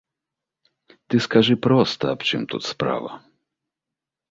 Ты скажы проста, аб чым тут справа.